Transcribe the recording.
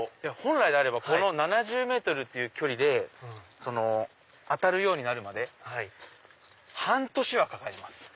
本来であれば７０ｍっていう距離で当たるようになるまで半年はかかります。